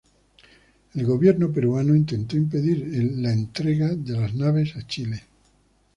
El gobierno peruano intentó impedir la entrega de las naves a Chile.